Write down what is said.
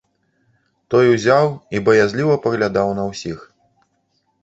Той узяў і баязліва паглядаў на ўсіх.